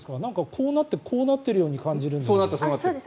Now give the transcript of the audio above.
こうなって、こうなってるように感じるんだけど。